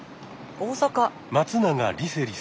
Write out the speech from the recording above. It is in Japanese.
大阪。